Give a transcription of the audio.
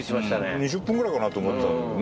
２０分ぐらいかなと思ってたもんね。